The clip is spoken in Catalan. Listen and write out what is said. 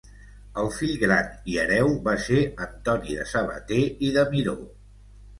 El fill gran i hereu va ser Antoni de Sabater i de Miró.